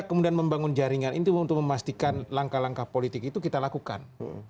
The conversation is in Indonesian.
kemudian membangun jaringan itu untuk memastikan langkah langkah politik itu kita lakukan